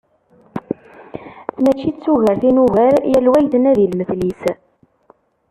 Mačči d tugert i nugar, yal wa yettnadi lmetl-is.